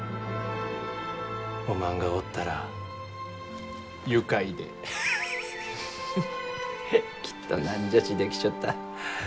おまんがおったら愉快でハハハハッきっと何じゃちできちょった。